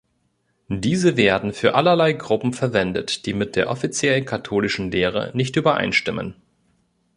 Diese werden für allerlei Gruppen verwendet, die mit der offiziellen katholischen Lehre nicht übereinstimmen.